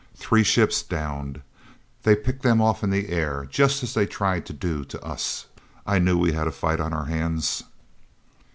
Three ships downed! They picked them off in the air just as they tried to do with us. I knew we had a fight on our hands."